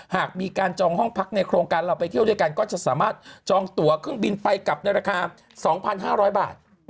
หากมีการจองห้องพักในโครงการเราไปเที่ยวด้วยกันก็จะสามารถจองตัวเครื่องบินไปกลับในราคา๒๕๐๐บาท